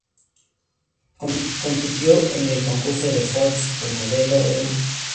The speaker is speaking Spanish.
Compitió en el concurso de Ford, "Supermodelo del Mundo".